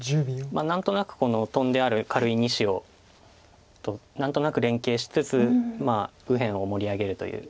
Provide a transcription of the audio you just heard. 何となくこのトンである軽い２子を何となく連係しつつ右辺を盛り上げるという。